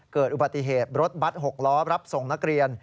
เกิดอุบัติเหตุรถบัตร๖ล้อรับส่งนักเรียน